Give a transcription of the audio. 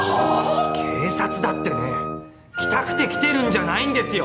警察だってね来たくて来てるんじゃないんですよ